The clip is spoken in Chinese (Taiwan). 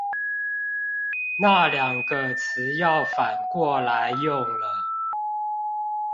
那兩個詞要反過來用了